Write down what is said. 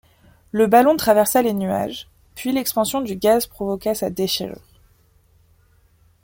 Le ballon traversa les nuages, puis l'expansion du gaz provoqua sa déchirure.